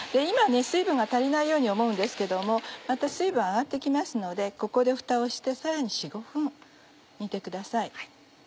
今水分が足りないように思うんですけどもまた水分上がって来ますのでここでフタをしてさらに４５分煮てください。